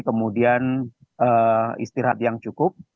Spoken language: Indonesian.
kemudian istirahat yang cukup